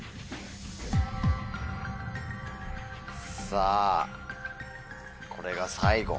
さぁこれが最後。